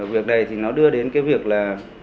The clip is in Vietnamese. việc này thì nó đưa đến cái việc là